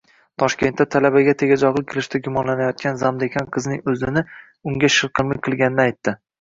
Toshkentda talabaga tegajog‘lik qilishda gumonlanayotgan zamdekan qizning o‘zi unga shilqimlik qilganini aytdi